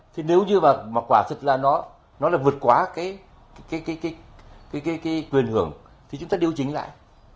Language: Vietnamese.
thì nếu như mà quả thật là nó là vượt quá cái quyền hưởng thì chúng ta điều chính lại